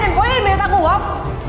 mày có ý mày để tao ngủ không